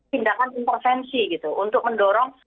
tindakan informasi untuk mendorong